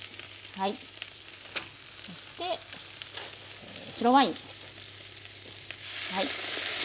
そして白ワインです。